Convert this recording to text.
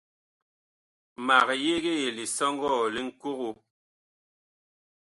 Mag yegee lisɔŋgɔɔ li Ŋkogo.